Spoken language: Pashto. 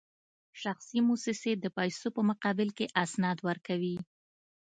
شخصي موسسې د پیسو په مقابل کې اسناد ورکوي